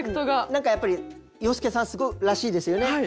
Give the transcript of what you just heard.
何かやっぱり洋輔さんらしいですよね。